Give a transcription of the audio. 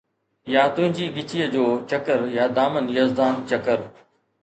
يا تنهنجي ڳچيءَ جو چڪر يا دامن يزدان چڪر